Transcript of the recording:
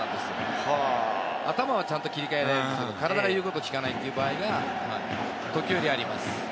頭はちゃんと切り替えられるけれども、体が言うことを聞かないという場合が時折あります。